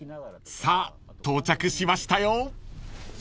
さあ到着しました。